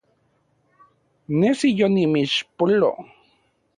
Nesi yonimixpolo